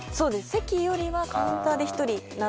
席よりはカウンターで一人なら。